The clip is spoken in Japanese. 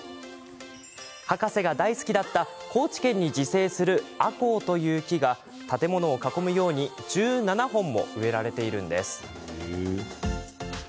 博士が大好きだった高知県に自生するアコウという木が建物を囲むように１７本も植えられているんです。